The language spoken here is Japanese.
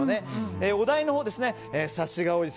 お題のほうはサシが多いです。